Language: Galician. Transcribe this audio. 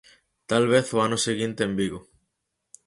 Talvez o ano seguinte en Vigo.